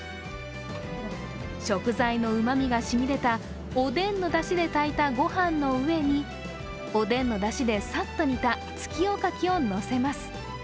食材のうまみが染み出たおでんのだしで炊いたご飯の上におでんのだしで、さっと煮た月夜牡蠣をのせます。